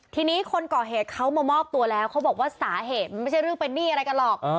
ทีนี้คนก่อเหตุเขามามอบตัวแล้วเขาบอกว่าสาเหตุมันไม่ใช่เรื่องเป็นหนี้อะไรกันหรอก